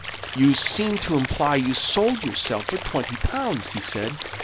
"You seem to imply you sold yourself for twenty pounds," he said.